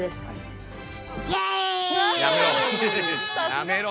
やめろ。